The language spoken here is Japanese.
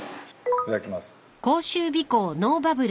いただきます。